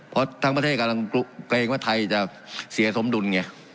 เพราะทั้งประเทศกำลังเกรงว่าไทยจะเสียสมดุลไง